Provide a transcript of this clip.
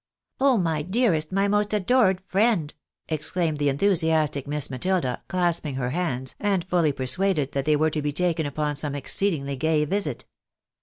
" Oh, my dearest, my most adored friend !" exclaimed th(s enthusiastic Miss Matilda, clasping her hands, and fully persuaded that they were to be taken upon some exceedingly gay visit.